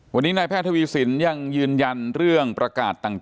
วันนี้นายแพทย์ทวีสินยังยืนยันเรื่องประกาศต่าง